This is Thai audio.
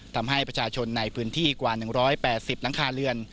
ทำให้ประชาชนในพื้นที่กว่า๑๘๐หลังคาเรือน